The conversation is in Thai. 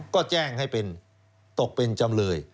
ก็แจ้งให้เป็นตกเป็นจำเลย